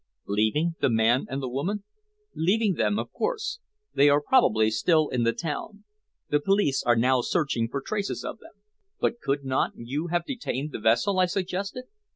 "Leaving the man and the woman?" "Leaving them, of course. They are probably still in the town. The police are now searching for traces of them." "But could not you have detained the vessel?" I suggested.